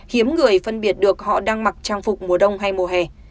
hiếm người phân biệt được họ đang mặc trang phục mùa đông hay mùa hè